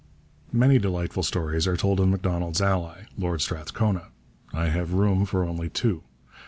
Many delightful stories are told of Macdonald's ally, Lord Strathcona. I have room for only two.